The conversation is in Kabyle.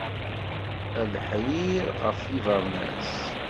A leḥrir ɣef yibernas.